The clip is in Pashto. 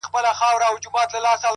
چي سُجده پکي، نور په ولاړه کيږي،